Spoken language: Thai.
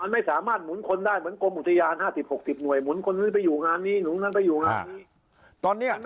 ไม่สามารถหมุนคนได้เหมือนกรมอุทยาน๕๐๖๐หน่วยหมุนคนนี้ไปอยู่งานนี้หนุนนั้นไปอยู่งานนี้